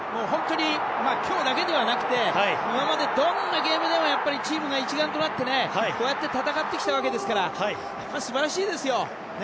本当に今日だけではなくて今までどんなゲームでもチームが一丸となってこうやって戦ってきたわけですから素晴らしいですよ。